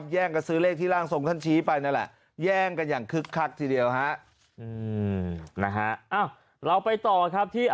แย่งกับซื้อเลขที่ล่างส่งท่านชี้ไปนั่นแหละแย่งกันอย่างคึกคักทีเดียวนะฮะอ้าวเราไปต่อครับที่